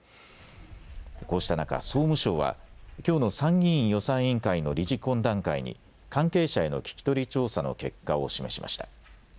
こうした中、総務省はきょうの参議院予算委員会の理事懇談会に関係者への聞き取り調査の結果を示しました。